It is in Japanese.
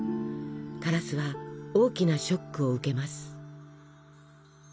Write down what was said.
カラスは大きなショックを受けます。